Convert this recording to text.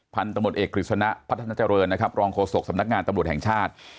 พันธุ์ตำรวจเอกคริสุณะพระท่านจริงรองโฆษกสำนักงานตำรวจแห่งชาติ